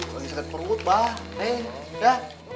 lagi sakit perut abang